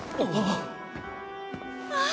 ああ。